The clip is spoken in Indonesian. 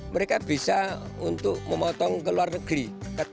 mereka bisa untuk memotong ke luar negeri